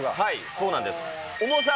そうなんです。